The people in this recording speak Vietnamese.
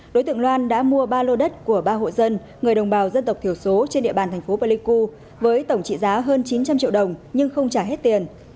đối tượng loan đã mua ba lô đất của ba hộ dân người đồng bào dân tộc thiểu số trên địa bàn thành phố pleiku với tổng trị giá hơn chín trăm linh triệu đồng nhưng không trả hết tiền